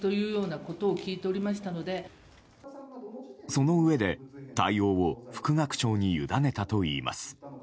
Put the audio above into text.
そのうえで、対応を副学長に委ねたといいます。